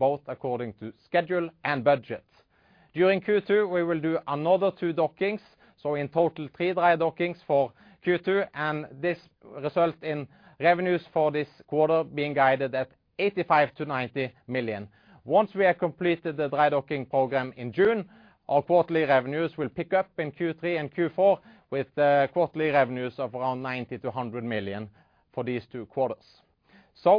Both according to schedule and budget. During Q2, we will do another two dockings, in total three dry dockings for Q2, and this results in revenues for this quarter being guided at $85 million-$90 million. Once we have completed the dry docking program in June, our quarterly revenues will pick up in Q3 and Q4 with quarterly revenues of around $90 million-$100 million for these two quarters.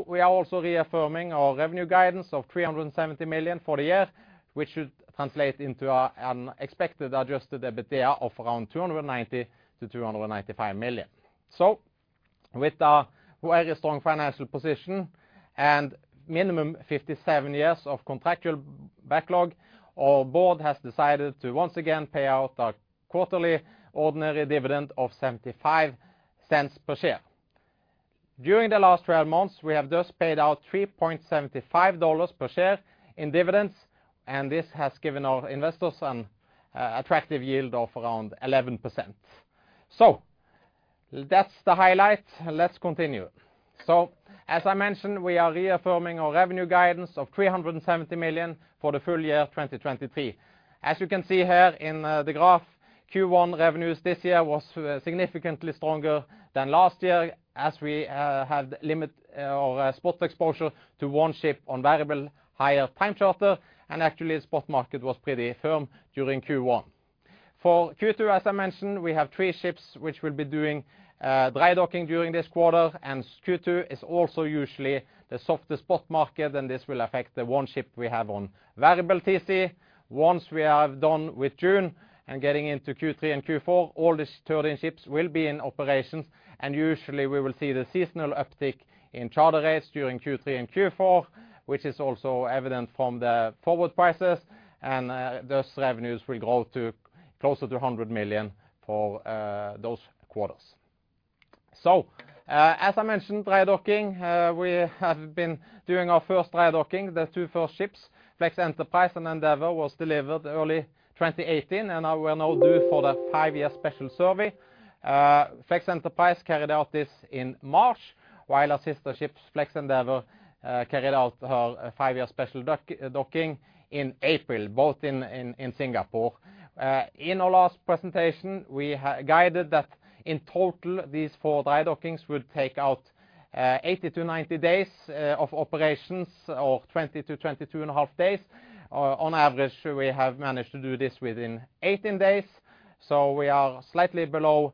We are also reaffirming our revenue guidance of $370 million for the year, which should translate into an expected adjusted EBITDA of around $290 million-$295 million. With our very strong financial position and minimum 57 years of contractual backlog, our board has decided to once again pay out our quarterly ordinary dividend of $0.75 per share. During the last 12 months, we have just paid out $3.75 per share in dividends, and this has given our investors an attractive yield of around 11%. That's the highlight. Let's continue. As I mentioned, we are reaffirming our revenue guidance of $370 million for the full year of 2023. As you can see here in the graph, Q1 revenues this year was significantly stronger than last year as we had limit our spot exposure to one ship on variable hire time charter. Actually the spot market was pretty firm during Q1. For Q2, as I mentioned, we have three ships which will be doing dry-docking during this quarter. Q2 is also usually the softer spot market. This will affect the one ship we have on variable TC. Once we are done with June and getting into Q3 and Q4, all these 13 ships will be in operations, and usually we will see the seasonal uptick in charter rates during Q3 and Q4, which is also evident from the forward prices, and those revenues will grow to closer to $100 million for those quarters. As I mentioned, dry-docking, we have been doing our first dry-docking. The two first ships, Flex Enterprise and Flex Endeavour, was delivered early 2018 and are well now due for their five-year special survey. Flex Enterprise carried out this in March, while our sister ship Flex Endeavour carried out her five-year special dry-docking in April, both in Singapore. In our last presentation, we guided that in total, these four dry dockings would take out 80-90 days of operations, or 20-22.5 days. On average, we have managed to do this within 18 days, so we are slightly below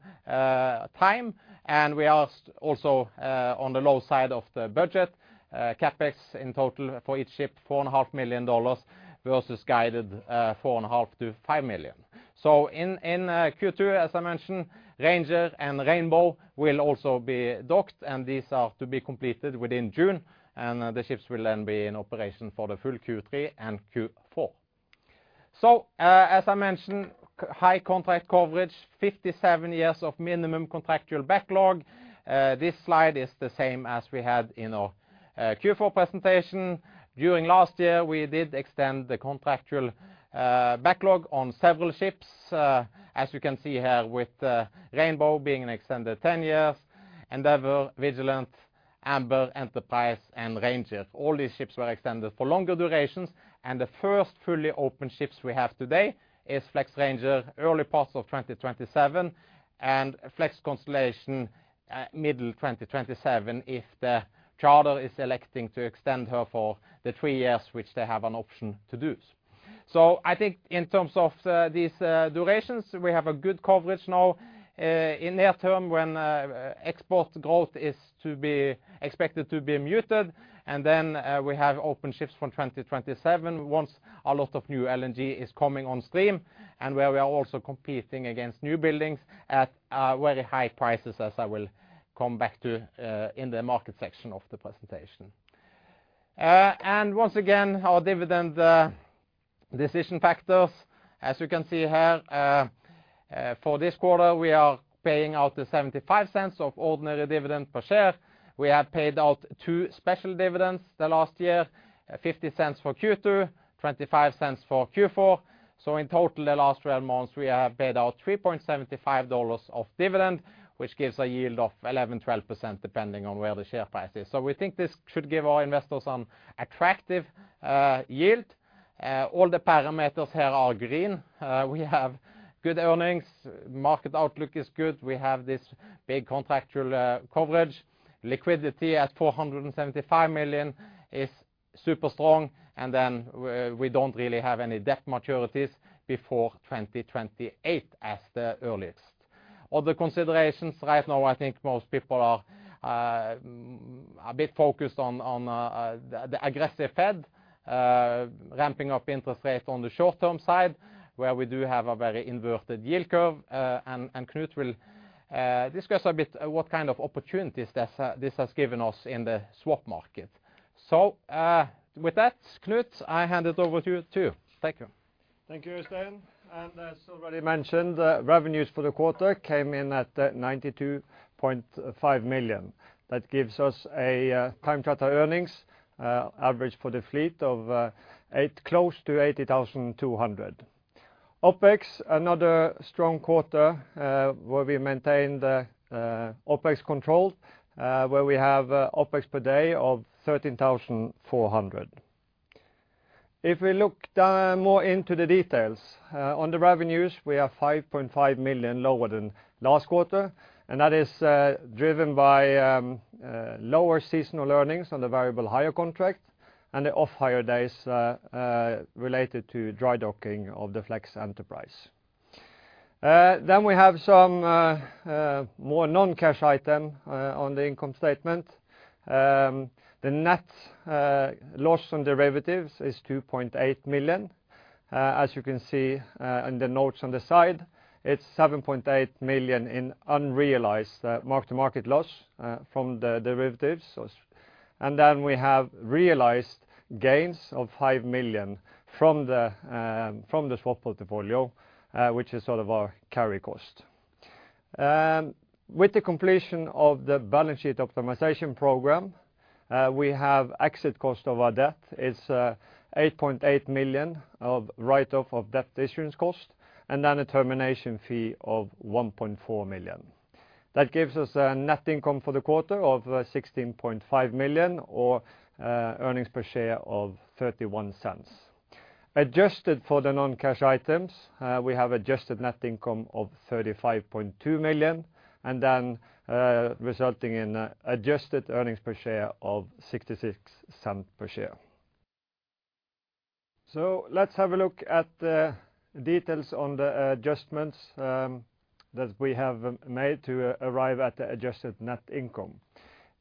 time, and we are also on the low side of the budget. CapEx in total for each ship, $4.5 million versus guided $4.5 million-$5 million. In Q2, as I mentioned, Ranger and Rainbow will also be docked and these are to be completed within June. The ships will then be in operation for the full Q3 and Q4. As I mentioned, high contract coverage, 57 years of minimum contractual backlog. This slide is the same as we had in our Q4 presentation. During last year, we did extend the contractual backlog on several ships, as you can see here with Rainbow being extended 10 years, Endeavor, Vigilant, Amber, Enterprise, and Ranger. All these ships were extended for longer durations, and the first fully open ships we have today is Flex Ranger, early part of 2027, and Flex Constellation, middle 2027 if the charter is electing to extend her for the three years which they have an option to do so. I think in terms of these durations, we have a good coverage now in near term when export growth is expected to be muted. We have open ships from 2027 once a lot of new LNG is coming on stream and where we are also competing against new buildings at very high prices as I will come back to in the market section of the presentation. Once again, our dividend decision factors. As you can see here, for this quarter, we are paying out the $0.75 of ordinary dividend per share. We have paid out two special dividends the last year, $0.50 for Q2, $0.25 for Q4. In total, the last 12 months, we have paid out $3.75 of dividend, which gives a yield of 11%, 12% depending on where the share price is. We think this should give our investors an attractive yield. All the parameters here are green. We have good earnings. Market outlook is good. We have this big contractual coverage. Liquidity at $475 million is super strong. We don't really have any debt maturities before 2028 as the earliest. Other considerations, right now I think most people are a bit focused on the aggressive Fed, ramping up interest rates on the short-term side, where we do have a very inverted yield curve. Knut will discuss a bit what kind of opportunities this has given us in the swap market. With that, Knut, I hand it over to you too. Thank you. Thank you, Øystein. As already mentioned, the revenues for the quarter came in at $92.5 million. That gives us a time charter earnings average for the fleet of close to $80,200. OpEx, another strong quarter, where we maintained the OpEx control, where we have OpEx per day of $13,400. If we look down more into the details on the revenues, we are $5.5 million lower than last quarter, and that is driven by lower seasonal earnings on the variable hire contract and the off-hire days related to dry docking of the Flex Enterprise. Then we have some more non-cash item on the income statement. The net loss on derivatives is $2.8 million. As you can see, in the notes on the side, it's $7.8 million in unrealized mark-to-market loss from the derivatives. We have realized gains of $5 million from the from the swap portfolio, which is sort of our carry cost. With the completion of the balance sheet optimization program, we have exit cost of our debt. It's $8.8 million of write-off of debt issuance cost and then a termination fee of $1.4 million. That gives us a net income for the quarter of $16.5 million or earnings per share of $0.31. Adjusted for the non-cash items, we have adjusted net income of $35.2 million and then resulting in a adjusted earnings per share of $0.66 per share. Let's have a look at the details on the adjustments that we have made to arrive at the adjusted net income.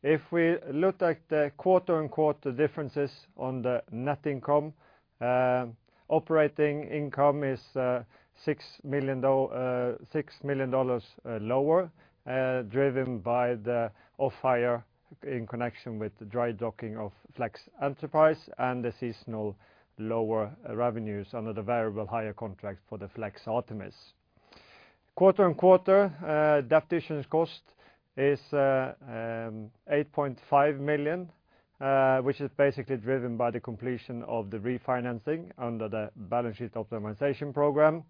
If we look at the quarter-on-quarter differences on the net income, operating income is $6 million lower, driven by the off-hire in connection with the dry-docking of Flex Enterprise and the seasonal lower revenues under the variable hire contract for the Flex Artemis. Quarter-on-quarter, debt issuance cost is $8.5 million, which is basically driven by the completion of the refinancing under the balance sheet optimization program.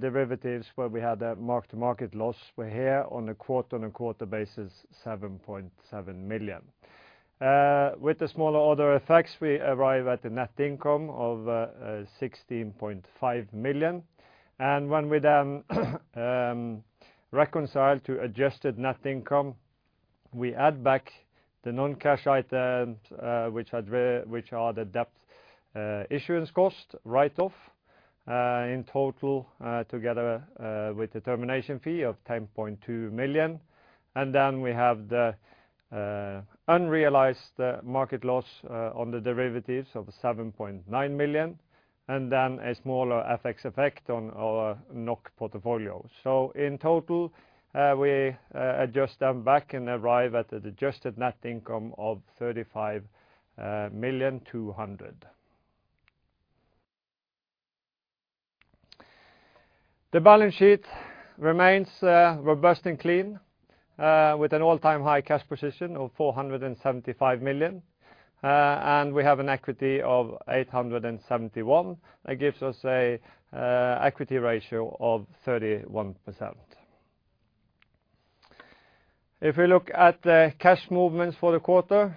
Derivatives where we had a mark-to-market loss were here on a quarter-on-quarter basis, $7.7 million. With the smaller other effects, we arrive at the net income of $16.5 million. When we then reconcile to adjusted net income, we add back the non-cash items, which are the debt issuance cost write-off in total, together with the termination fee of $10.2 million. Then we have the unrealized market loss on the derivatives of $7.9 million, and then a smaller FX effect on our NOK portfolio. In total, we adjust them back and arrive at the adjusted net income of $35,000,200. The balance sheet remains robust and clean with an all-time high cash position of $475 million. We have an equity of $871 million. That gives us an equity ratio of 31%. If we look at the cash movements for the quarter,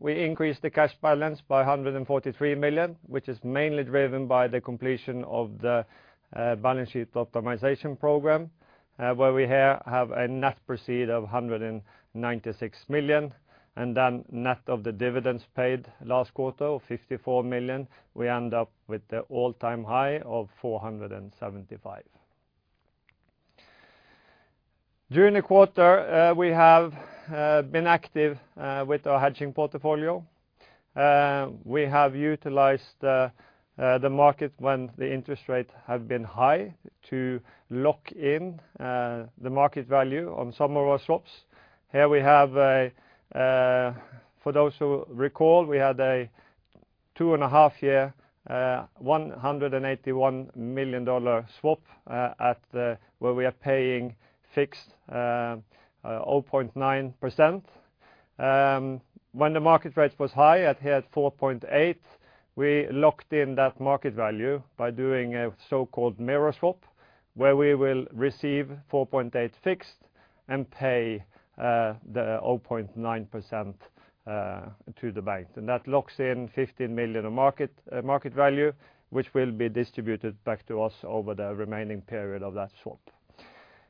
we increased the cash balance by $143 million, which is mainly driven by the completion of the balance sheet optimization program, where we here have a net proceed of $196 million, and then net of the dividends paid last quarter of $54 million, we end up with the all-time high of $475 million. During the quarter, we have been active with our hedging portfolio. We have utilized the market when the interest rates have been high to lock in the market value on some of our swaps. For those who recall, we had a two-and-a-half year, $181 million swap, at where we are paying fixed 0.9%. When the market rate was high at here at 4.8, we locked in that market value by doing a so-called mirror swap, where we will receive 4.8 fixed and pay the 0.9% to the bank. That locks in $15 million of market market value, which will be distributed back to us over the remaining period of that swap.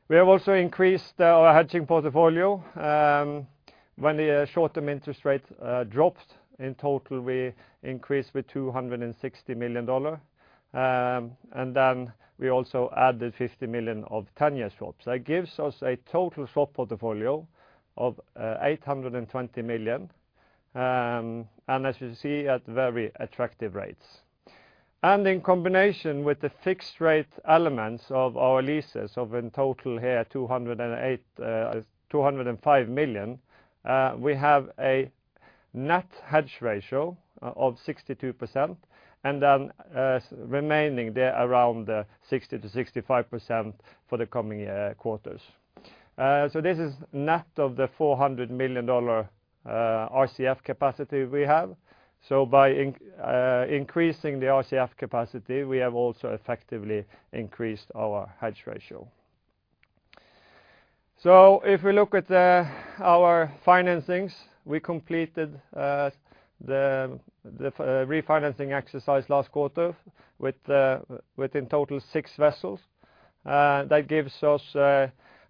We have also increased our hedging portfolio. When the short-term interest rate dropped, in total, we increased with $260 million. We also added $50 million of 10-year swaps. That gives us a total swap portfolio of $820 million, as you see, at very attractive rates. In combination with the fixed rate elements of our leases of in total here $208 million, $205 million, we have a net hedge ratio of 62% and then remaining there around 60%-65% for the coming quarters. This is net of the $400 million RCF capacity we have. By increasing the RCF capacity, we have also effectively increased our hedge ratio. If we look at our financings, we completed the refinancing exercise last quarter with in total 6 vessels. That gives us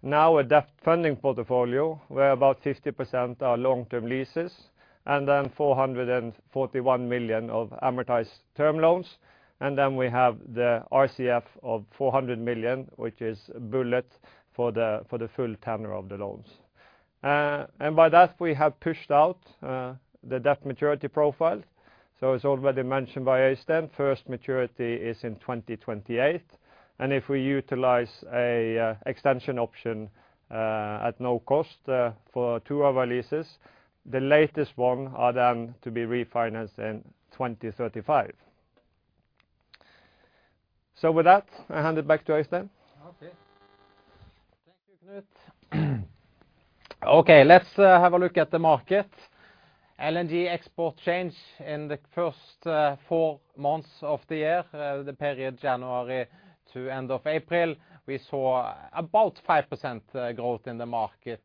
now a debt funding portfolio where about 50% are long-term leases and then $441 million of amortized term loans. We have the RCF of $400 million, which is bullet for the, for the full tenor of the loans. By that, we have pushed out the debt maturity profile. As already mentioned by Øystein, first maturity is in 2028. If we utilize a extension option at no cost for two of our leases, the latest one are then to be refinanced in 2035. With that, I hand it back to Øystein. Thank you, Knut. Let's have a look at the market. LNG export change in the first four months of the year, the period January to end of April, we saw about 5% growth in the market.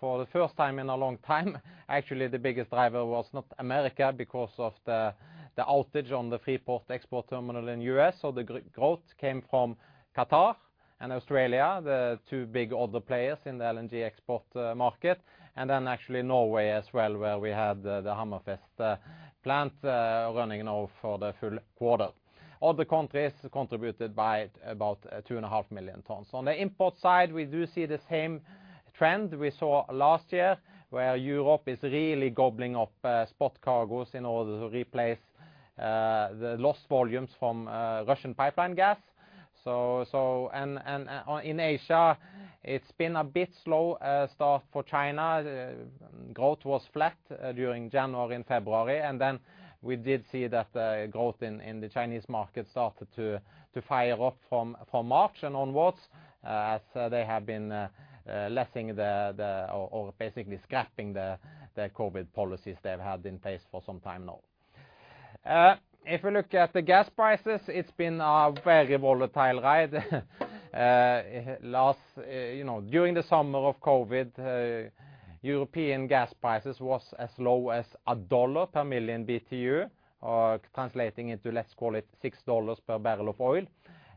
For the first time in a long time, actually the biggest driver was not America because of the outage on the Freeport export terminal in U.S. The growth came from Qatar and Australia, the two big other players in the LNG export market, and then actually Norway as well, where we had the Hammerfest plant running now for the full quarter. Other countries contributed by about 2.5 million tons. On the import side, we do see the same trend we saw last year, where Europe is really gobbling up spot cargos in order to replace the lost volumes from Russian pipeline gas. In Asia, it's been a bit slow start for China. Growth was flat during January and February, and then we did see that the growth in the Chinese market started to fire up from March and onwards, as they have been basically scrapping the COVID policies they've had in place for some time now. If we look at the gas prices, it's been a very volatile ride. You know, during the summer of COVID, European gas prices was as low as $1 per million BTU, translating into, let's call it $6 per barrel of oil.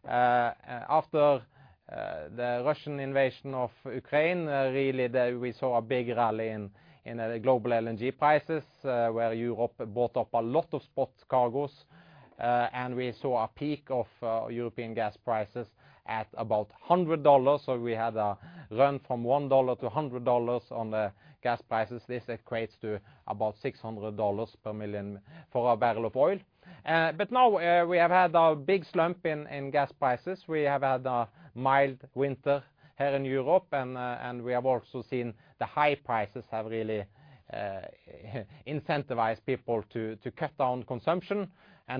After the Russian invasion of Ukraine, really there we saw a big rally in the global LNG prices, where Europe bought up a lot of spot cargoes. We saw a peak of European gas prices at about $100. We had a run from $1-$100 on the gas prices. This equates to about $600 per million for a barrel of oil. Now, we have had a big slump in gas prices. We have had a mild winter here in Europe, we have also seen the high prices have really incentivized people to cut down consumption.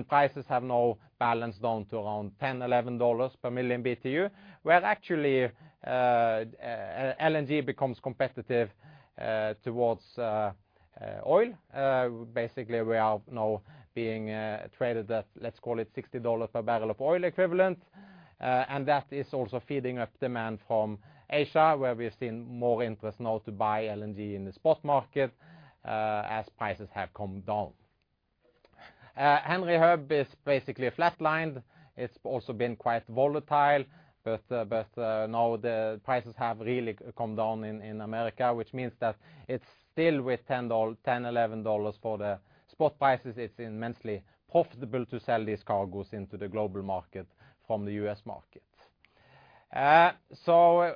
Prices have now balanced down to around $10, $11 per million BTU, where actually LNG becomes competitive towards oil. Basically, we are now being traded at, let's call it $60 per barrel of oil equivalent. That is also feeding up demand from Asia, where we've seen more interest now to buy LNG in the spot market as prices have come down. Henry Hub is basically flatlined. It's also been quite volatile, now the prices have really come down in America, which means that it's still with $10, $11 for the spot prices. It's immensely profitable to sell these cargos into the global market from the U.S. market.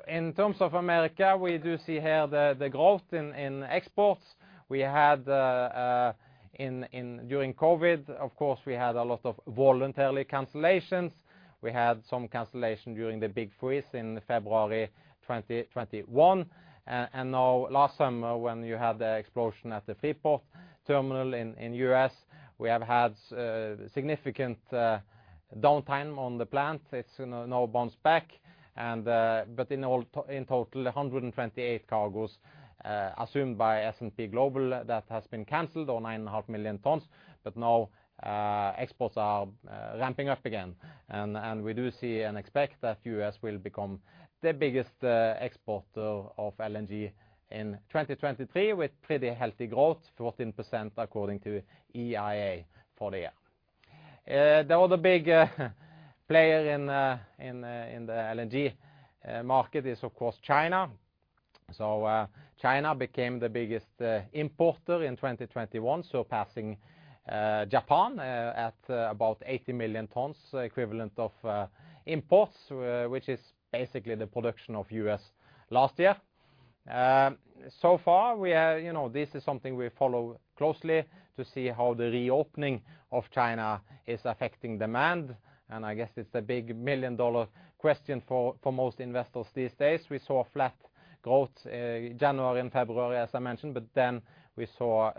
In terms of America, we do see here the growth in exports. We had During COVID, of course, we had a lot of voluntary cancellations. We had some cancellation during the big freeze in February 2021. Now last summer, when you had the explosion at the Freeport terminal in U.S., we have had significant downtime on the plant. It's, you know, now bounced back. In total, 128 cargos, assumed by S&P Global, that has been canceled, or 9.5 million tons. Now exports are ramping up again. We do see and expect that U.S. will become the biggest exporter of LNG in 2023, with pretty healthy growth, 14% according to EIA for the year. The other big player in the LNG market is, of course, China. China became the biggest importer in 2021, surpassing Japan at about 80 million tons equivalent of imports, which is basically the production of U.S. last year. So far, You know, this is something we follow closely to see how the reopening of China is affecting demand. I guess it's the big million-dollar question for most investors these days. We saw flat growth, January and February, as I mentioned. We saw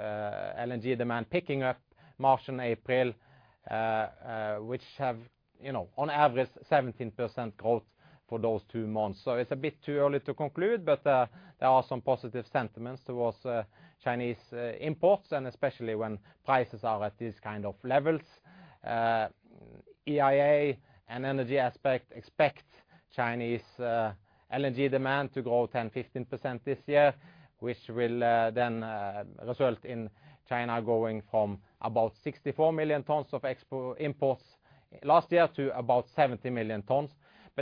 LNG demand picking up March and April, which have, you know, on average 17% growth for those two months. It's a bit too early to conclude, but there are some positive sentiments towards Chinese imports, especially when prices are at these kind of levels. EIA and Energy Aspects expect Chinese LNG demand to grow 10%-15% this year, which will result in China going from about 64 million tons of imports last year to about 70 million tons.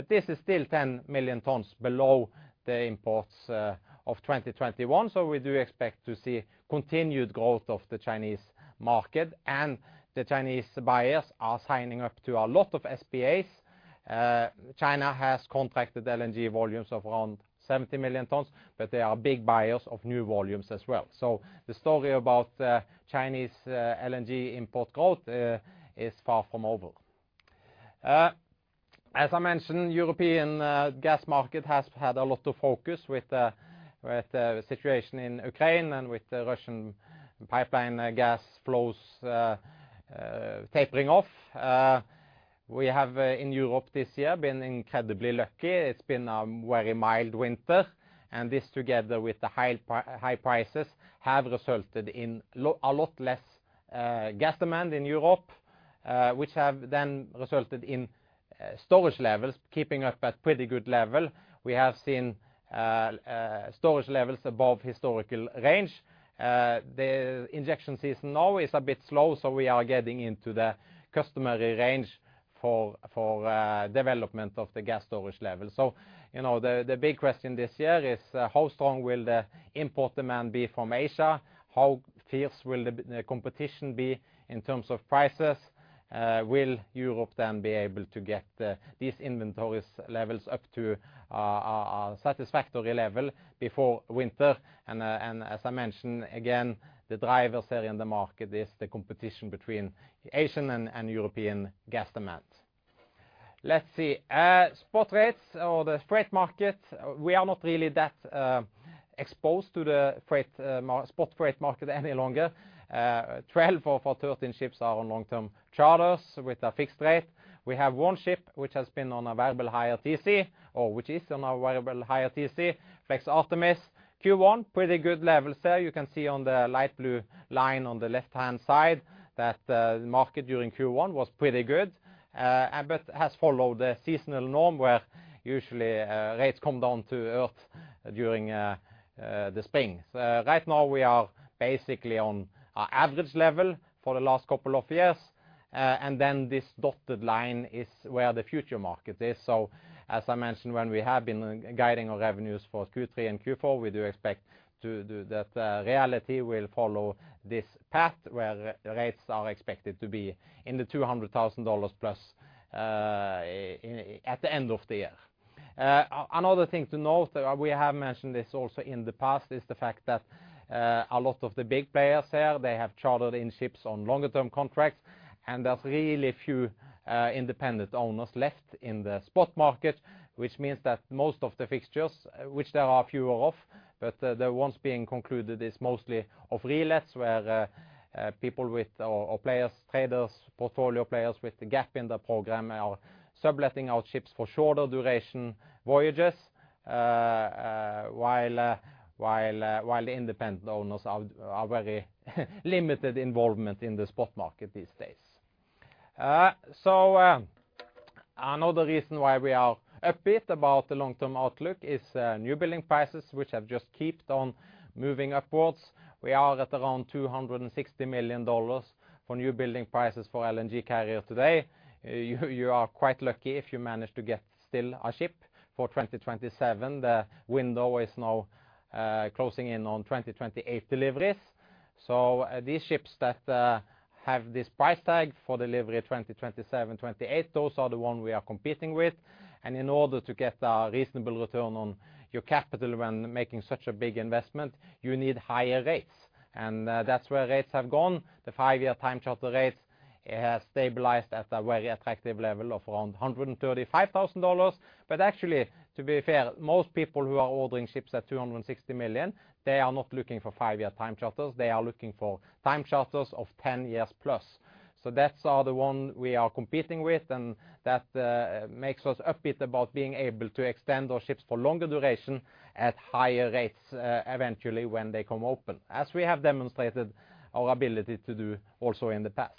This is still 10 million tons below the imports of 2021. We do expect to see continued growth of the Chinese market. The Chinese buyers are signing up to a lot of SPAs. China has contracted LNG volumes of around 70 million tons, they are big buyers of new volumes as well. The story about Chinese LNG import growth is far from over. As I mentioned, European gas market has had a lot of focus with the situation in Ukraine and with the Russian pipeline gas flows tapering off. We have in Europe this year been incredibly lucky. It's been a very mild winter, this together with the high prices have resulted in a lot less gas demand in Europe, which have then resulted in storage levels keeping up at pretty good level. We have seen storage levels above historical range. The injection season now is a bit slow, so we are getting into the customary range for development of the gas storage level. You know, the big question this year is how strong will the import demand be from Asia? How fierce will the competition be in terms of prices? Will Europe then be able to get these inventories levels up to a satisfactory level before winter? As I mentioned, again, the drivers here in the market is the competition between Asian and European gas demand. Let's see. Spot rates or the freight market, we are not really that exposed to the freight spot freight market any longer. 12 or 13 ships are on long-term charters with a fixed rate. We have one ship which has been on variable hire TC, or which is on variable hire TC, Flex Artemis. Q1, pretty good levels there. You can see on the light blue line on the left-hand side that the market during Q1 was pretty good, but has followed the seasonal norm, where usually rates come down to earth during the spring. Right now we are basically on our average level for the last couple of years. This dotted line is where the future market is. As I mentioned, when we have been guiding our revenues for Q3 and Q4, we do expect that reality will follow this path, where rates are expected to be in the $200,000+ at the end of the year. Another thing to note, we have mentioned this also in the past, is the fact that a lot of the big players here, they have chartered in ships on longer-term contracts, and there's really few independent owners left in the spot market, which means that most of the fixtures, which there are fewer of, but the ones being concluded is mostly of relets, where people with or players, traders, portfolio players with the gap in the program are subletting out ships for shorter duration voyages. While the independent owners are very limited involvement in the spot market these days. Another reason why we are upbeat about the long-term outlook is new building prices, which have just kept on moving upwards. We are at around $260 million for new building prices for LNG carrier today. You are quite lucky if you manage to get still a ship for 2027. The window is now closing in on 2028 deliveries. These ships that have this price tag for delivery at 2027-2028, those are the ones we are competing with. In order to get a reasonable return on your capital when making such a big investment, you need higher rates. That's where rates have gone. The five-year time charter rates has stabilized at a very attractive level of around $135,000. Actually, to be fair, most people who are ordering ships at $260 million, they are not looking for five-year time charters. They are looking for time charters of 10 years+. That's are the one we are competing with, and that makes us upbeat about being able to extend our ships for longer duration at higher rates eventually when they come open, as we have demonstrated our ability to do also in the past.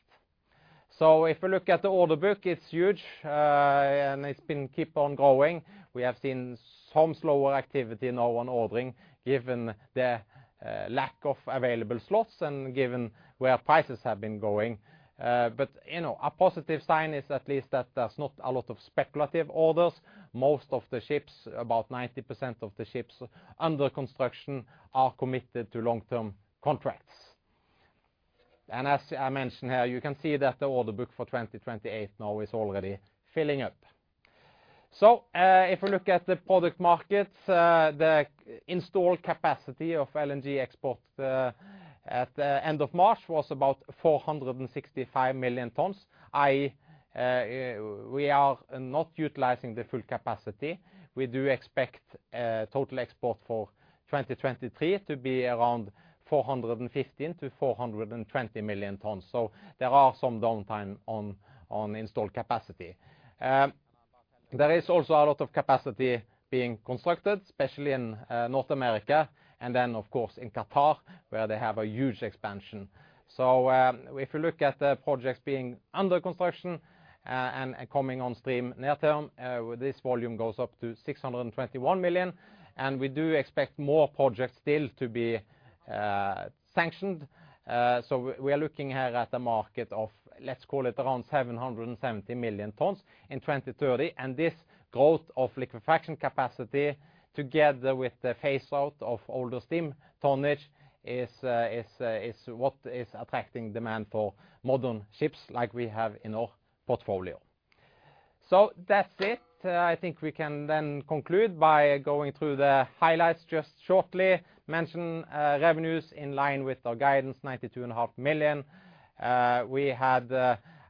If we look at the order book, it's huge, and it's been keep on growing. We have seen some slower activity now on ordering given the lack of available slots and given where prices have been going. But you know, a positive sign is at least that there's not a lot of speculative orders. Most of the ships, about 90% of the ships under construction are committed to long-term contracts. As I mentioned here, you can see that the order book for 2028 now is already filling up. If we look at the product markets, the installed capacity of LNG exports at the end of March was about 465 million tons, i.e., we are not utilizing the full capacity. We do expect total export for 2023 to be around 415 million-420 million tons. There are some downtime on installed capacity. There is also a lot of capacity being constructed, especially in North America, and then of course in Qatar, where they have a huge expansion. If you look at the projects being under construction, and coming on stream near-term, this volume goes up to 621 million, and we do expect more projects still to be sanctioned. We are looking here at the market of, let's call it, around 770 million tons in 2030. This growth of liquefaction capacity together with the phase-out of older steam tonnage is what is attracting demand for modern ships like we have in our portfolio. That's it. I think we can then conclude by going through the highlights just shortly. Mention revenues in line with our guidance, 92 and 500,000. We had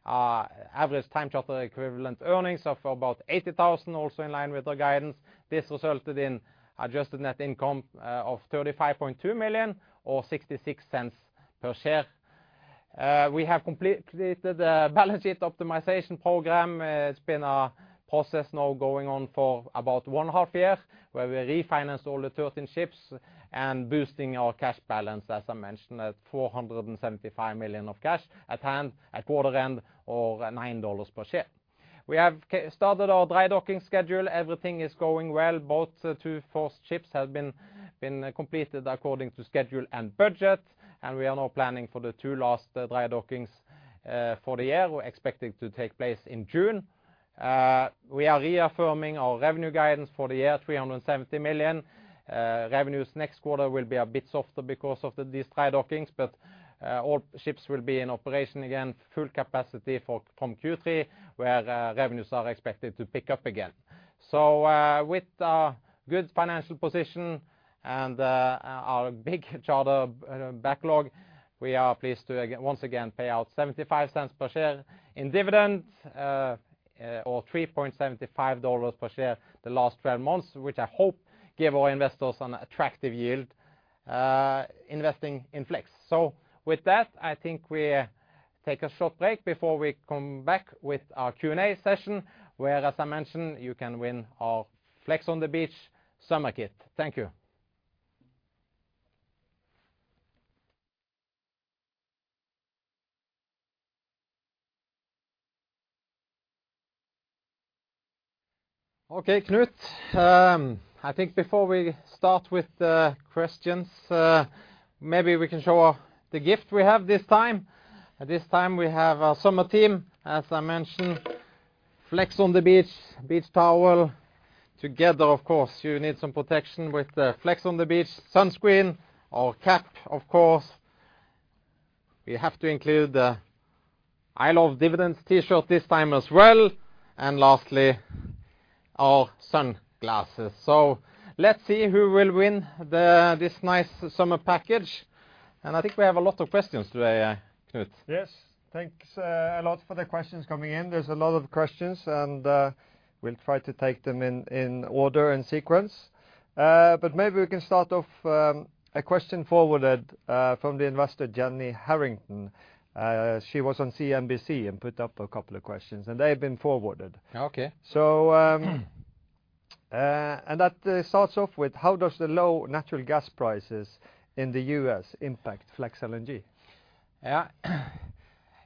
our average time charter equivalent earnings of about $80,000, also in line with our guidance. This resulted in adjusted net income of $35.2 million or $0.66 per share. We have completed the balance sheet optimization program. It's been a process now going on for about one half year, where we refinanced all the 13 ships and boosting our cash balance, as I mentioned, at $475 million of cash at hand at quarter end or at $9 per share. We have started our dry-docking schedule. Everything is going well. Both, two first ships have been completed according to schedule and budget, and we are now planning for the two last dry-dockings for the year. We're expecting to take place in June. We are reaffirming our revenue guidance for the year, $370 million. Revenues next quarter will be a bit softer because of these dry-dockings, but all ships will be in operation again, full capacity for, from Q3, where revenues are expected to pick up again. With a good financial position and our big charter backlog, we are pleased to once again pay out $0.75 per share in dividends, or $3.75 per share the last 12 months, which I hope give our investors an attractive yield investing in Flex. With that, I think we take a short break before we come back with our Q&A session, where, as I mentioned, you can win our Flex on the Beach summer kit. Thank you. Okay, Knut. I think before we start with the questions, maybe we can show the gift we have this time. This time, we have our summer theme. As I mentioned, Flex on the Beach beach towel. Together, of course, you need some protection with the Flex on the Beach sunscreen, our cap, of course. We have to include the I Love Dividends T-shirt this time as well, and lastly, our sunglasses. Let's see who will win this nice summer package. I think we have a lot of questions today, Knut. Yes. Thanks, a lot for the questions coming in. There's a lot of questions, and we'll try to take them in order and sequence. Maybe we can start off, a question forwarded, from the investor Jenny Harrington. She was on CNBC and put up a couple of questions, and they've been forwarded. Okay. That starts off with, "How does the low natural gas prices in the U.S. impact Flex LNG?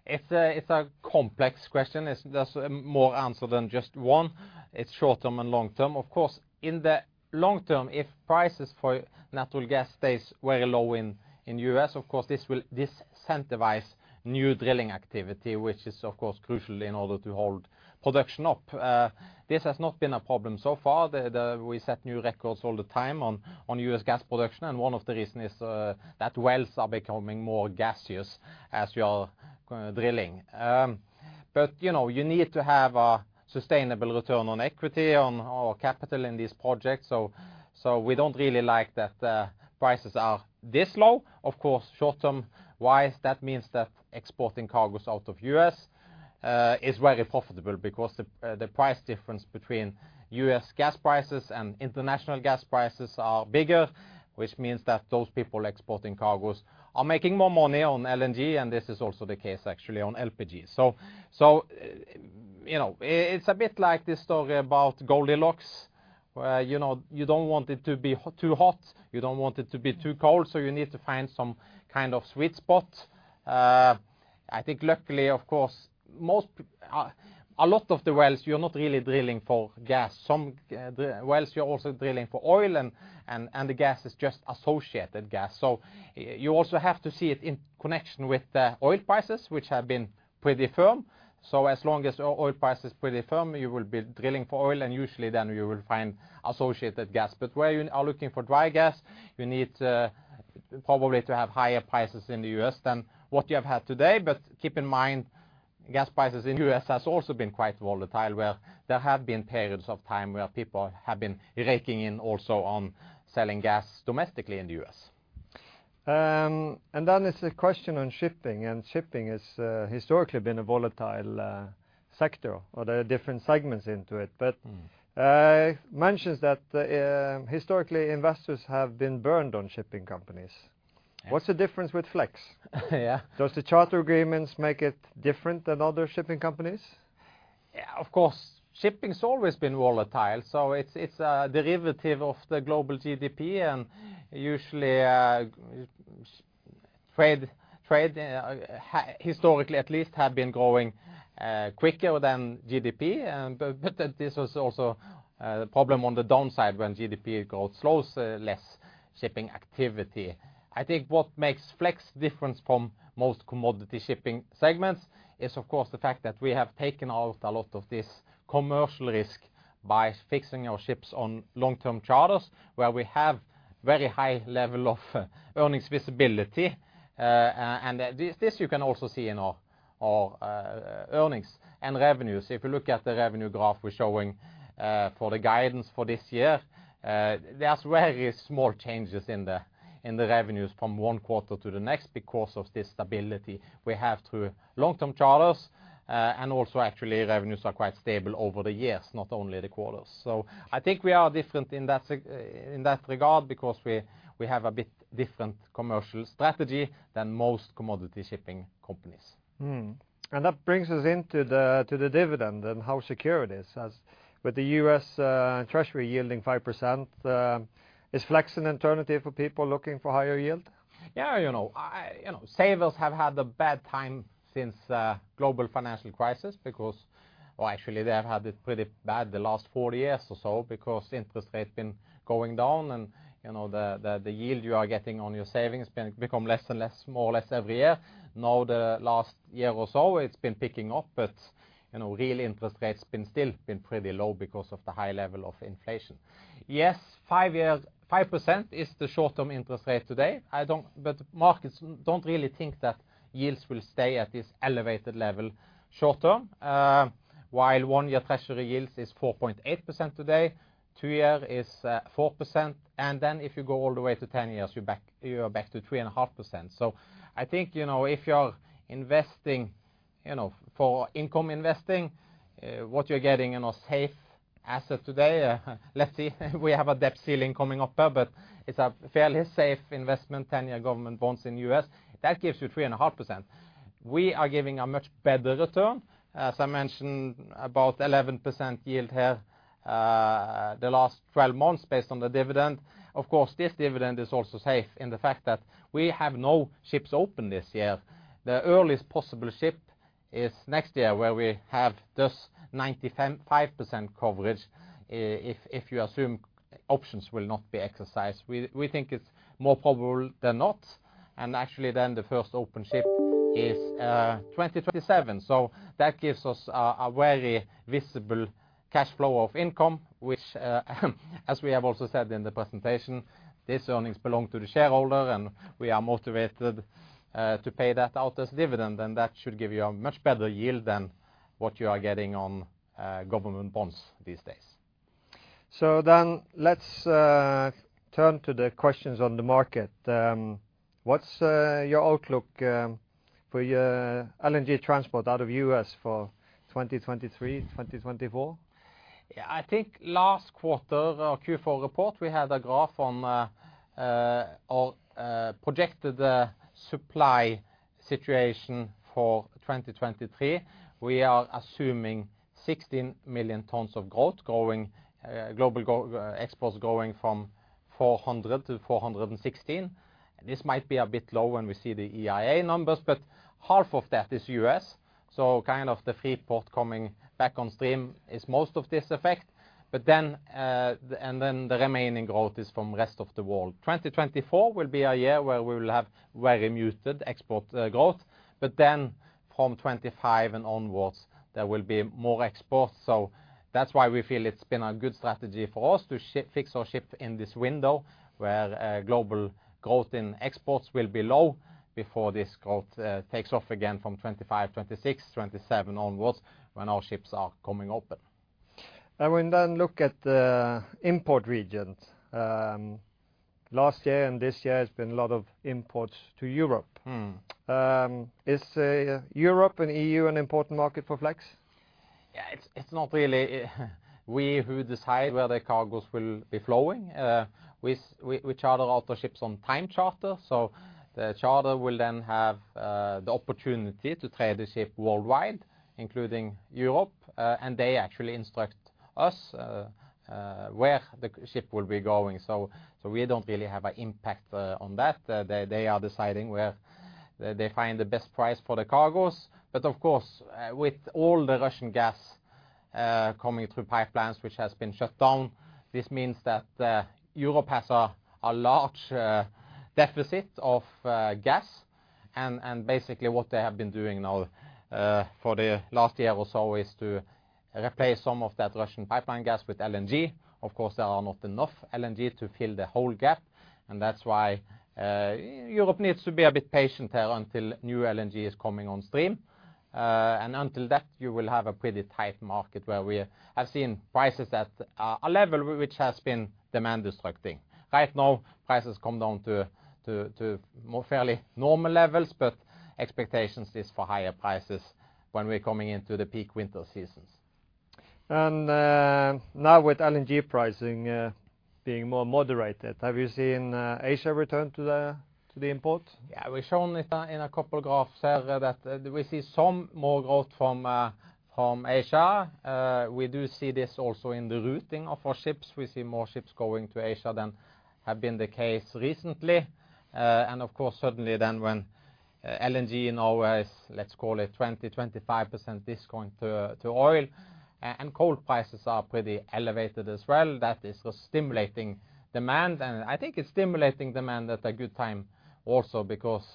It's a, it's a complex question. It's, there's more answer than just one. It's short-term and long-term. Of course, in the long term, if prices for natural gas stays very low in U.S., of course, this will disincentivize new drilling activity, which is of course crucial in order to hold production up. This has not been a problem so far. We set new records all the time on U.S. gas production, and one of the reason is that wells are becoming more gaseous as we are drilling. You know, you need to have a sustainable return on equity on all capital in these projects, so we don't really like that prices are this low. Of course, short-term-wise, that means that exporting cargos out of U.S. is very profitable because the price difference between U.S. gas prices and international gas prices are bigger, which means that those people exporting cargos are making more money on LNG, and this is also the case actually on LPG. You know, it's a bit like this story about Goldilocks, where, you know, you don't want it to be too hot. You don't want it to be too cold, you need to find some kind of sweet spot. I think luckily, of course, most a lot of the wells, you're not really drilling for gas. Some wells, you're also drilling for oil and the gas is just associated gas. You also have to see it in connection with the oil prices, which have been pretty firm. As long as oil price is pretty firm, you will be drilling for oil, and usually then you will find associated gas. Where you are looking for dry gas, you need probably to have higher prices in the U.S. than what you have had today. Keep in mind, gas prices in U.S. has also been quite volatile, where there have been periods of time where people have been raking in also on selling gas domestically in the U.S. There's a question on shipping, and shipping has historically been a volatile sector or there are different segments into it. Mm. mentions that, historically investors have been burned on shipping companies. What's the difference with Flex? Yeah. Does the charter agreements make it different than other shipping companies? Yeah, of course. Shipping has always been volatile, it's a derivative of the global GDP and usually, trade historically at least have been growing quicker than GDP. This is also a problem on the downside when GDP growth slows, less shipping activity. I think what makes Flex different from most commodity shipping segments is, of course, the fact that we have taken out a lot of this commercial risk by fixing our ships on long-term charters, where we have very high level of earnings visibility. This you can also see in our earnings and revenues. If you look at the revenue graph we're showing, for the guidance for this year, there's very small changes in the revenues from one quarter to the next because of the stability we have through long-term charters. Also, actually, revenues are quite stable over the years, not only the quarters. I think we are different in that regard because we have a bit different commercial strategy than most commodity shipping companies. That brings us into the, to the dividend and how secure it is. As with the U.S. Treasury yielding 5%, is Flex an alternative for people looking for higher yield? Yeah, you know, I. You know, savers have had a bad time since global financial crisis because. Well, actually, they have had it pretty bad the last 40 years or so because interest rates been going down and, you know, the yield you are getting on your savings become less and less, more or less every year. Now, the last year or so, it's been picking up. But, you know, real interest rates been still been pretty low because of the high level of inflation. Yes, 5% is the short-term interest rate today. I don't. But markets don't really think that yields will stay at this elevated level short-term. While one year Treasury yields is 4.8% today, two year is 4%. If you go all the way to 10 years, you're back, you are back to 3.5%. I think, you know, if you are investing, you know, for income investing, what you're getting in a safe asset today, let's see, we have a debt ceiling coming up there, but it's a fairly safe investment, 10-year government bonds in the U.S., that gives you 3.5%. We are giving a much better return. As I mentioned, about 11% yield here, the last 12 months based on the dividend. This dividend is also safe in the fact that we have no ships open this year. The earliest possible ship is next year where we have this 95% coverage if you assume options will not be exercised. We think it's more probable than not. Actually then the first open ship is 2027. That gives us a very visible cash flow of income, which, as we have also said in the presentation, these earnings belong to the shareholder and we are motivated to pay that out as dividend. That should give you a much better yield than what you are getting on government bonds these days. Let's turn to the questions on the market. What's your outlook for your LNG transport out of U.S. for 2023, 2024? I think last quarter, our Q4 report, we had a graph on our projected supply situation for 2023. We are assuming 16 million tons of growth growing global exports growing from 400 to 416. This might be a bit low when we see the EIA numbers, half of that is U.S. Kind of the Freeport coming back on stream is most of this effect. The remaining growth is from rest of the world. 2024 will be a year where we will have very muted export growth. From 25 and onwards, there will be more exports. That's why we feel it's been a good strategy for us to fix our ship in this window where global growth in exports will be low before this growth takes off again from 25, 26, 27 onwards when our ships are coming open. When then look at the import regions, last year and this year has been a lot of imports to Europe. Mm. Is Europe and EU an important market for Flex? Yeah, it's not really we who decide where the cargoes will be flowing. We charter out the ships on time charter. The charter will then have the opportunity to trade the ship worldwide, including Europe. They actually instruct us where the ship will be going. We don't really have an impact on that. They are deciding where they find the best price for the cargoes. Of course, with all the Russian gas coming through pipelines which has been shut down, this means that Europe has a large deficit of gas. Basically what they have been doing now for the last year or so, is to replace some of that Russian pipeline gas with LNG. Of course, there are not enough LNG to fill the whole gap. That's why, Europe needs to be a bit patient there until new LNG is coming on stream. Until that, you will have a pretty tight market where we have seen prices at a level which has been demand-destructing. Right now, prices come down to more fairly normal levels, but expectations is for higher prices when we're coming into the peak winter seasons. Now with LNG pricing being more moderated, have you seen Asia return to the import? Yeah. We've shown it in a couple graphs here that we see some more growth from Asia. We do see this also in the routing of our ships. We see more ships going to Asia than have been the case recently. Of course certainly then when LNG, you know, is let's call it 20%-25% discount to oil and coal prices are pretty elevated as well, that is what's stimulating demand. I think it's stimulating demand at a good time also because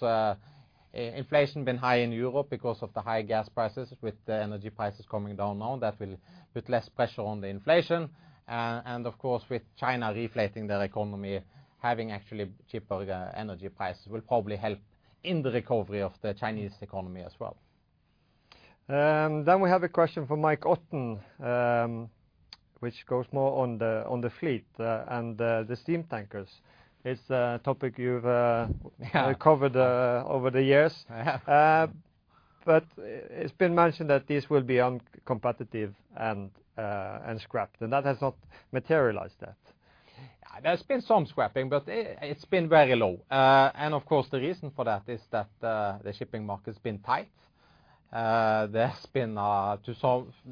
inflation been high in Europe because of the high gas prices. With the energy prices coming down now, that will put less pressure on the inflation. Of course, with China reflating their economy, having actually cheaper energy prices will probably help in the recovery of the Chinese economy as well. We have a question from Omar Nokta, which goes more on the, on the fleet, and the steam tankers. It's a topic you've. Yeah... recovered, over the years. I have. It's been mentioned that this will be uncompetitive and scrapped and that has not materialized yet. There's been some scrapping, but it's been very low. Of course the reason for that is that the shipping market has been tight. There's been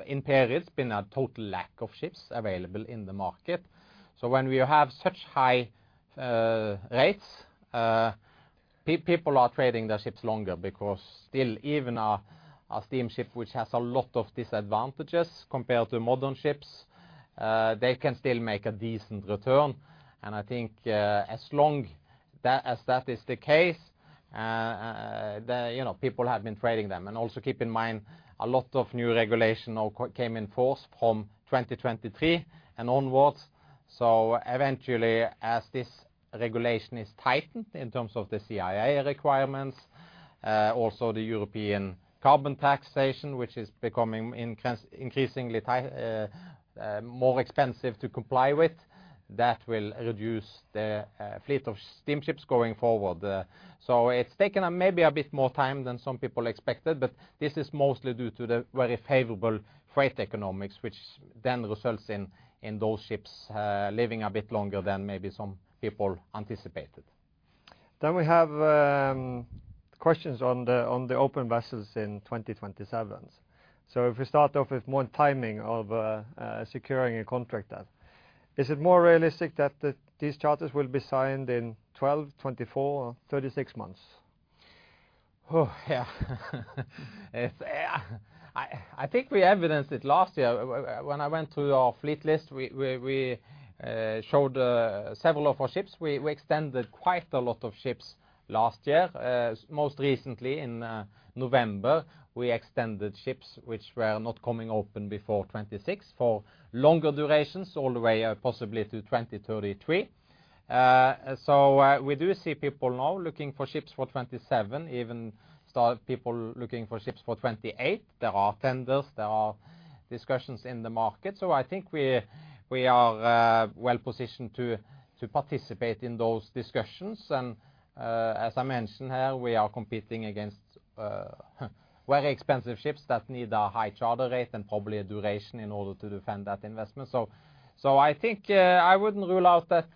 in periods a total lack of ships available in the market. When we have such high rates, people are trading their ships longer because still even a steamship which has a lot of disadvantages compared to modern ships, they can still make a decent return. I think, as long that, as that is the case, you know, people have been trading them. Also keep in mind a lot of new regulation now came in force from 2023 and onwards. Eventually as this regulation is tightened in terms of the CII requirements, also the European carbon taxation, which is becoming increasingly more expensive to comply with, that will reduce the fleet of steamships going forward. It's taken maybe a bit more time than some people expected, but this is mostly due to the very favorable freight economics, which then results in those ships, living a bit longer than maybe some people anticipated. We have questions on the open vessels in 2027s. If we start off with more timing of securing a contract then, is it more realistic that these charters will be signed in 12, 24 or 36 months? Oh, yeah. It's. I think we evidenced it last year when I went through our fleet list. We showed several of our ships. We extended quite a lot of ships last year, most recently in November we extended ships which were not coming open before 2026 for longer durations all the way possibly to 2033. We do see people now looking for ships for 2027, even start people looking for ships for 2028. There are tenders, there are discussions in the market. I think we are well-positioned to participate in those discussions. As I mentioned here, we are competing against very expensive ships that need a high charter rate and probably a duration in order to defend that investment. I think, I wouldn't rule out that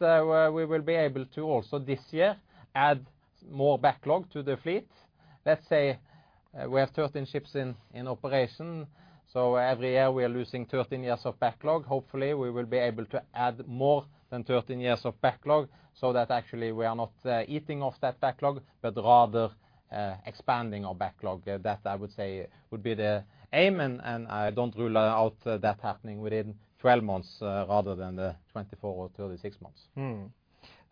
we will be able to also this year add more backlog to the fleet. Let's say we have 13 ships in operation, every year we are losing 13 years of backlog. Hopefully, we will be able to add more than 13 years of backlog so that actually we are not eating off that backlog, but rather, expanding our backlog. That, I would say would be the aim and I don't rule out that happening within 12 months rather than the 24 or 36 months.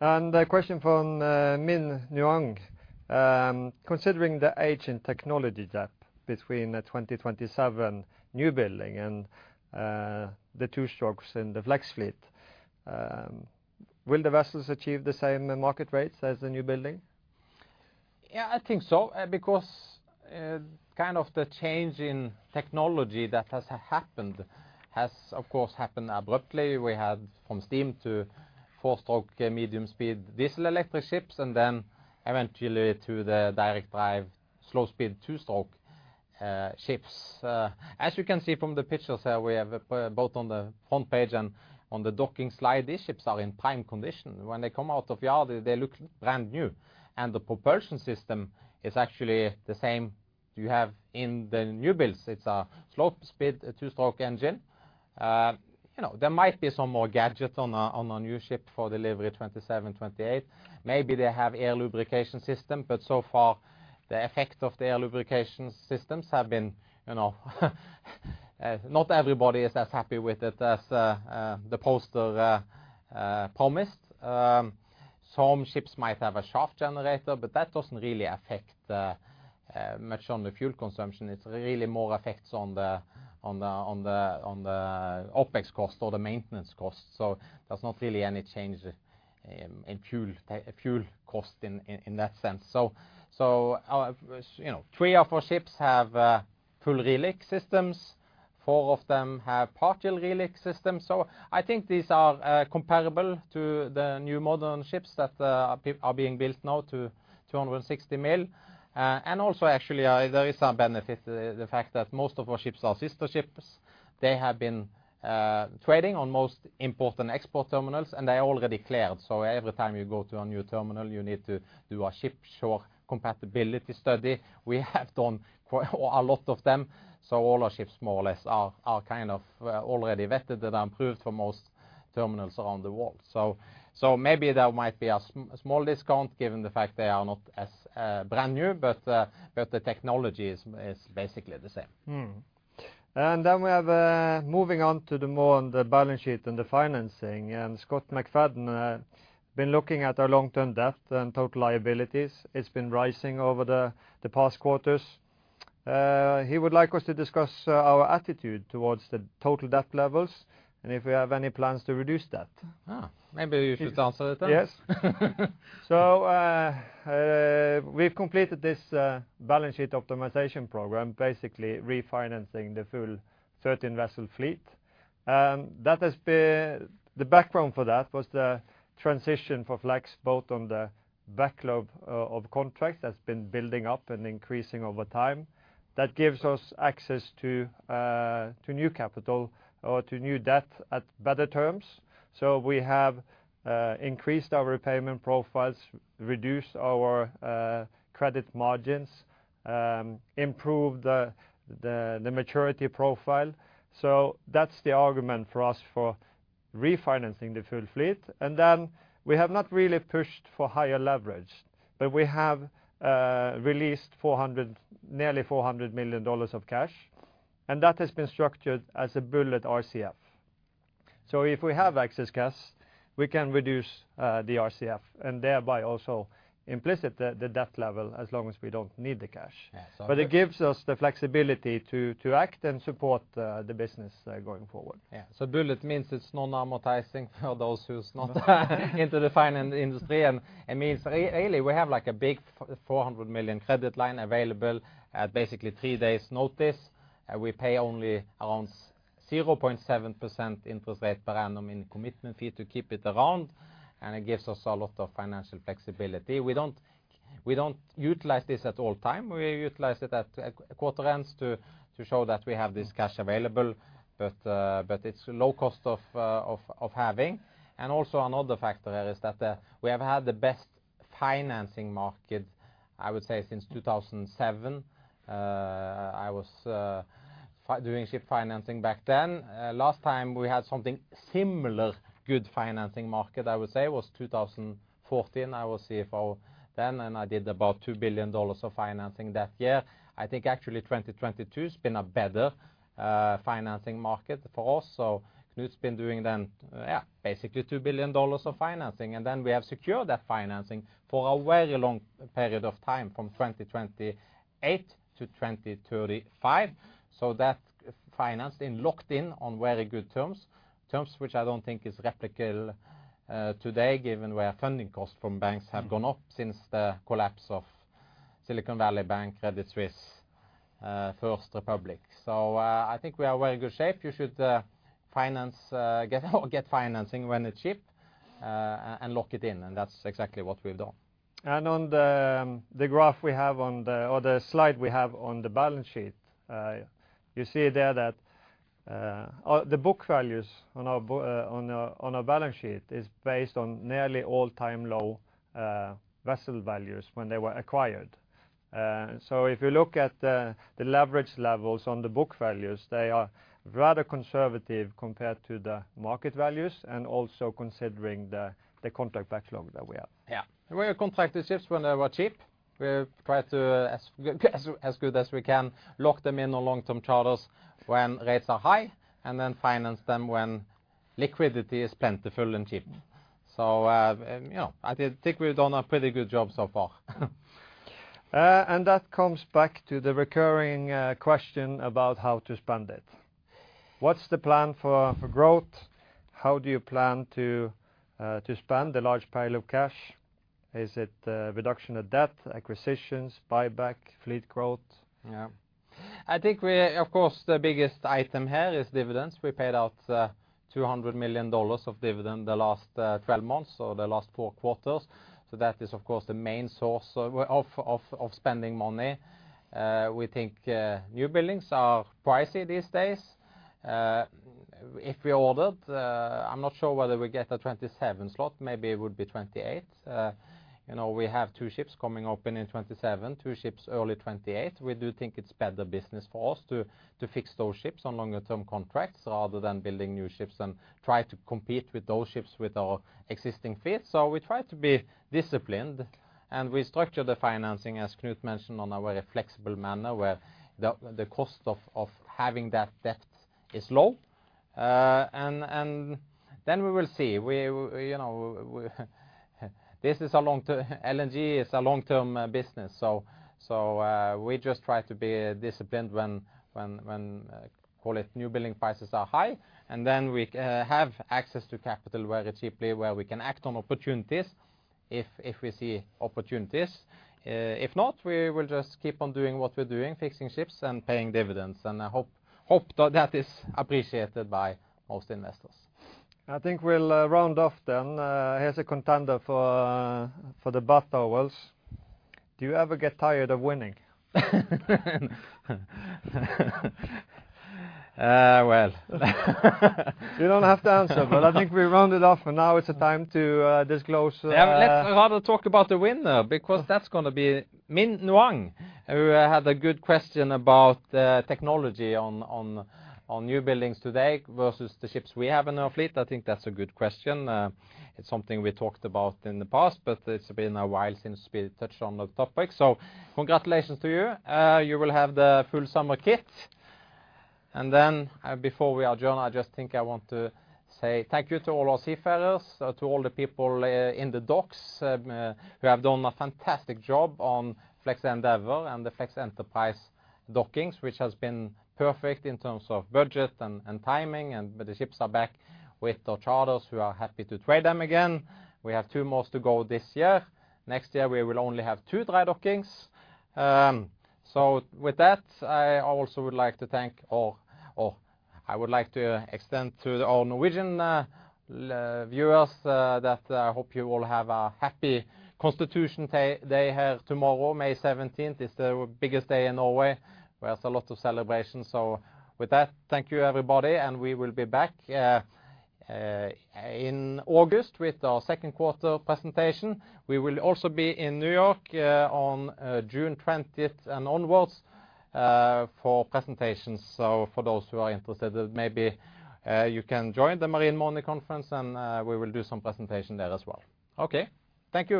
A question from Ben Nolan. Considering the age and technology gap between a 2027 new building and the two-stroke in the Flex fleet, will the vessels achieve the same market rates as the new building? I think so, because, kind of the change in technology that has happened has of course happened abruptly. We had from steam to four-stroke medium-speed diesel electric ships and then eventually to the direct drive slow speed two-stroke ships. As you can see from the pictures here we have both on the front page and on the docking slide, these ships are in prime condition. When they come out of yard, they look brand new and the propulsion system is actually the same you have in the new builds. It's a slow speed two-stroke engine. You know, there might be some more gadgets on a, on a new ship for delivery 2027, 2028. Maybe they have air lubrication system, so far the effect of the air lubrication systems have been, you know, not everybody is as happy with it as the poster promised. Some ships might have a shaft generator, that doesn't really affect much on the fuel consumption. It really more affects on the, on the, on the, on the OpEx cost or the maintenance cost. There's not really any change in fuel cost in that sense. You know, three of our ships have full reliquefaction systems. Four of them have partial reliquefaction systems. I think these are comparable to the new modern ships that are being built now to $260 million. Also actually, there is a benefit, the fact that most of our ships are sister ships. They have been trading on most import and export terminals, and they already cleared. Every time you go to a new terminal, you need to do a ship shore compatibility study. We have done quite a lot of them. All our ships more or less are kind of, already vetted that are improved for most terminals around the world. Maybe there might be a small discount given the fact they are not as brand new, but the technology is basically the same. Then we have, moving on to the more on the balance sheet and the financing. Øystein Kalleklev, been looking at our long-term debt and total liabilities. It's been rising over the past quarters. He would like us to discuss our attitude towards the total debt levels and if we have any plans to reduce that. Maybe you should answer it then. Yes. We've completed this balance sheet optimization program, basically refinancing the full 13 vessel fleet, that has been the background for that was the transition for Flex both on the backlog of contracts that's been building up and increasing over time. That gives us access to new capital or to new debt at better terms. We have increased our repayment profiles, reduced our credit margins, improved the maturity profile. That's the argument for us for refinancing the full fleet. We have not really pushed for higher leverage, but we have released $400 million, nearly $400 million of cash, and that has been structured as a bullet RCF. If we have excess cash, we can reduce the RCF and thereby also implicit the debt level as long as we don't need the cash. Yeah. It gives us the flexibility to act and support the business going forward. Yeah. Bullet means it's no amortizing for those who's not into the finance industry. It means really we have like a big $400 million credit line available at basically three days notice, and we pay only around 0.7% interest rate per annum in commitment fee to keep it around, and it gives us a lot of financial flexibility. We don't utilize this at all time. We utilize it at quarter ends to show that we have this cash available, but it's low cost of having. Also another factor there is that we have had the best financing market, I would say, since 2007. I was doing ship financing back then. Last time we had something similar, good financing market, I would say, was 2014. I was CFO then, I did about $2 billion of financing that year. I think actually 2022 has been a better financing market for us. Knut's been doing then, yeah, basically $2 billion of financing. We have secured that financing for a very long period of time, from 2028-2035. That financing locked in on very good terms which I don't think is replicable today, given where funding costs from banks have gone up since the collapse of Silicon Valley Bank, Credit Suisse, First Republic. I think we are very good shape. You should finance, get financing when it's cheap, and lock it in. That's exactly what we've done. On the graph we have on the slide we have on the balance sheet, you see there that the book values on our balance sheet is based on nearly all-time low vessel values when they were acquired. If you look at the leverage levels on the book values, they are rather conservative compared to the market values and also considering the contract backlog that we have. Yeah. We contracted ships when they were cheap. We try to as good as we can lock them in on long-term charters when rates are high and then finance them when liquidity is plentiful and cheap. You know, I think we've done a pretty good job so far. That comes back to the recurring question about how to spend it. What's the plan for growth? How do you plan to spend a large pile of cash? Is it reduction of debt, acquisitions, buyback, fleet growth? Yeah. I think of course the biggest item here is dividends. We paid out $200 million of dividend the last 12 months or the last four quarters. That is of course the main source of spending money. We think new buildings are pricey these days. If we ordered, I'm not sure whether we get a 2027 slot, maybe it would be 2028. You know, we have two ships coming open in 2027, two ships early 2028. We do think it's better business for us to fix those ships on longer term contracts rather than building new ships and try to compete with those ships with our existing fleet. We try to be disciplined, and we structure the financing, as Knut mentioned, on a very flexible manner where the cost of having that debt is low. We will see. We, you know, LNG is a long-term business. We just try to be disciplined when, call it, new building prices are high, and then we have access to capital very cheaply where we can act on opportunities if we see opportunities. If not, we will just keep on doing what we're doing, fixing ships and paying dividends. I hope that is appreciated by most investors. I think we'll round off then. Here's a contender for the bath towels. Do you ever get tired of winning? Well. You don't have to answer, but I think we round it off, and now it's a time to disclose. Let's rather talk about the winner because that's gonna be Minh Nguyen, who had a good question about the technology on, on new buildings today versus the ships we have in our fleet. I think that's a good question. It's something we talked about in the past, but it's been a while since we touched on the topic. Congratulations to you. You will have the full summer kit. Before we adjourn, I just think I want to say thank you to all our seafarers, to all the people in the docks, who have done a fantastic job on Flex Endeavour and the Flex Enterprise dockings, which has been perfect in terms of budget and timing. The ships are back with the charters who are happy to trade them again. We have two more to go this year. Next year, we will only have two dry dockings. With that, I also would like to thank all I would like to extend to all Norwegian viewers that I hope you all have a happy Constitution Day. They have tomorrow, May 17. It's the biggest day in Norway, where it's a lot of celebration. With that, thank you, everybody, and we will be back in August with our 2nd quarter presentation. We will also be in New York on June 20th and onwards for presentations. For those who are interested, maybe, you can join the Marine Money conference and we will do some presentation there as well. Okay. Thank you.